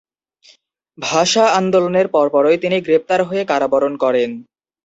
ভাষা আন্দোলনের পরপরই তিনি গ্রেপ্তার হয়ে কারাবরণ করেন।